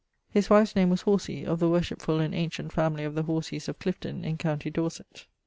His wife's name was Horsey, of the worshipfull and ancient family of the Horseys of Clifton in com. Dorset.